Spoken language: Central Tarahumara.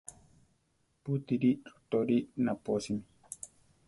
Pútiri rotorí naposimi.